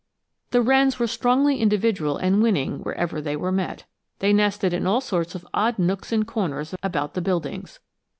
The wrens were strongly individual and winning wherever they were met. They nested in all sorts of odd nooks and corners about the buildings.